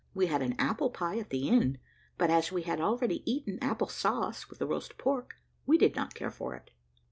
We had an apple pie at the end, but as we had already eaten apple sauce with the roast pork, we did not care for it.